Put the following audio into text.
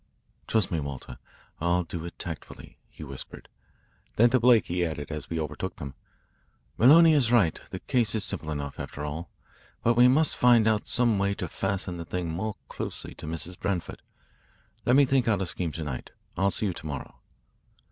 "Trust me, Walter. I'll do it tactfully," he whispered, then to Blake he added as we overtook them: "Maloney is right. The case is simple enough, after all. But we must find out some way to fasten the thing more closely on Mrs. Branford. Let me think out a scheme to night. I'll see you to morrow."